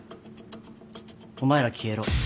お前ら消えろ。